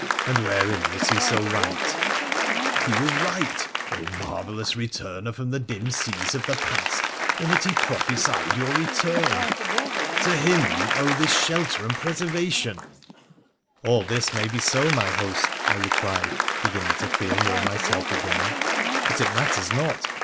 ' And wherein was he so right ?'' He was right, marvellous returner from the dim seas of the past, in that he prophesied your return ! To him you owe this shelter and preservation.' ' All this may be so, my host,' I replied, beginning to feel more myself again ;' but it matters not.